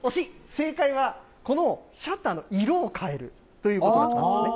正解は、このシャッターの色を変えるということだったんですね。